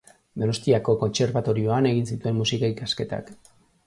Donostiako Kontserbatorioan egin zituen Musika ikasketak.